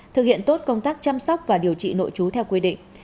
thực hiện tốt công tác chăm sóc và điều trị nội chú theo quy định